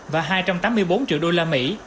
và hai trăm tám mươi bốn triệu đô la mỹ